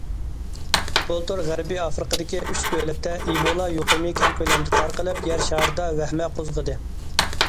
بۇلتۇر، غەربىي ئافرىقىدىكى ئۈچ دۆلەتتە ئىبولا يۇقۇمى كەڭ كۆلەمدە تارقىلىپ، يەر شارىدا ۋەھىمە قوزغىدى.